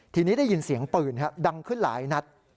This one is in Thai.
ทีนี้ได้ยินเสียงปืนดังขึ้นหลายนัด